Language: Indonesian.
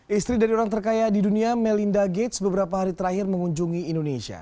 istri dari orang terkaya di dunia melinda gates beberapa hari terakhir mengunjungi indonesia